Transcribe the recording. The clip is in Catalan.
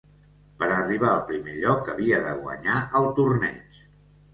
Per a arribar al primer lloc, havia de guanyar el torneig.